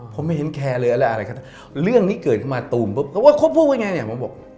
ผมไม่เค้นจากเรื่องไม่ว่าจะเคลาจนยังไง